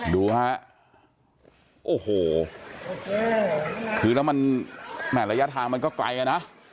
ดูฮะโอ้โหคือแล้วมันแหม่ระยะทางมันก็ไกลอ่ะนะ